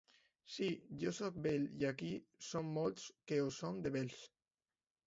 Sí! Jo soc vell, i aquí som molts que ho som de vells...